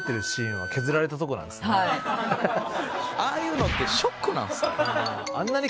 ああいうのってショックなんですか？